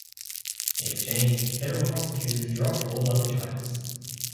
In exchange, federal prosecutors dropped all other charges.